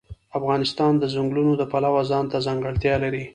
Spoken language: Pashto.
افغانستان د ځنګلونو د پلوه ځانته ځانګړتیا لري.